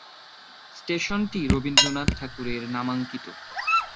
স্টেশনটি রবীন্দ্রনাথ ঠাকুরের নামাঙ্কিত।